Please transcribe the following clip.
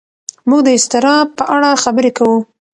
موږ د اضطراب په اړه خبرې کوو.